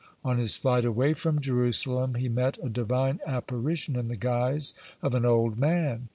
On his flight away from Jerusalem, he met a Divine apparition in the guise of an old man.